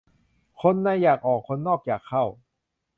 คนในอยากออก คนนอกอยากเข้า